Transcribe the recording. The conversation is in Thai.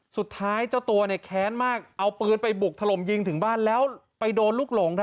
เจ้าตัวเนี่ยแค้นมากเอาปืนไปบุกถล่มยิงถึงบ้านแล้วไปโดนลูกหลง